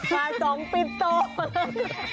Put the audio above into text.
มาจองปิดตัว